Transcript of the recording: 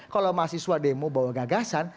kalau mahasiswa demo bawa gagasan